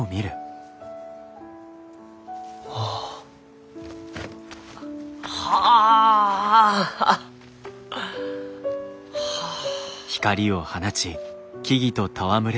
あ。はあ。はあ。